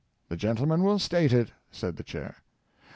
" The gentleman will state it," said the Chair.